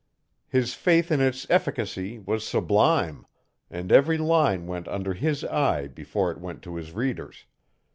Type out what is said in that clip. His faith in its efficacy was sublime, and every line went under his eye before it went to his readers.